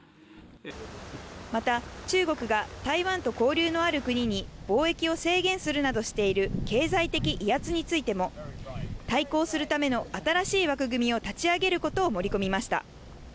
また、中国が台湾と交流のある国に貿易を制限するなどとしている経済的威圧についても、対抗するための新しい枠組みを立ち上げることを盛り込みました。